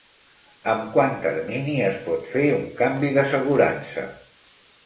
Amb quant termini es pot fer un canvi d'assegurança?